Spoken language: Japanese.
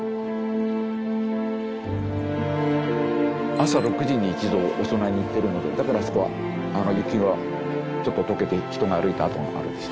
朝６時に一度お供えに行ってるのでだからあそこは雪がちょっと解けて人が歩いた跡があるんです。